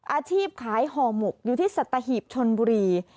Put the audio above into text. อาชีพขายห่อหมกอยู่ที่สัตหีบชนบุรี